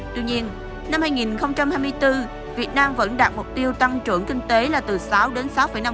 tuy nhiên năm hai nghìn hai mươi bốn việt nam vẫn đạt mục tiêu tăng trưởng kinh tế là từ sáu đến sáu năm